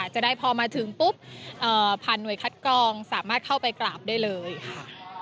จะได้พอมาถึงปุ๊บผ่านหน่วยคัดกรองสามารถเข้าไปกราบได้เลยค่ะ